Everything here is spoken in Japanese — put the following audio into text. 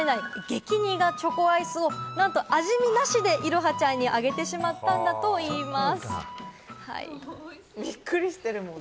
失敗して、大人でも食べられない激苦チョコアイスをなんと味見なしで彩羽ちゃんにあげてしまったんだといいます。